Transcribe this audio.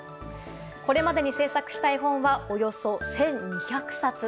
これまでに制作した絵本はおよそ１２００冊。